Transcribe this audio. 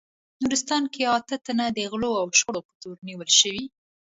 نورستان کې اته تنه د غلاوو او شخړو په تور نیول شوي